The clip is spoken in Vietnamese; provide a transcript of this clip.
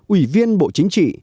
ủy viên bộ chính trị